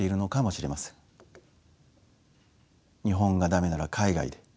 「日本が駄目なら海外で」。